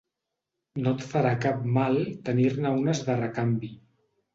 No et farà cap mal tenir-ne unes de recanvi.